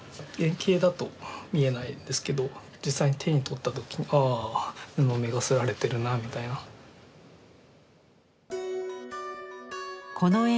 遠景だと見えないんですけど実際に手に取った時にああ布目が摺られてるなみたいな。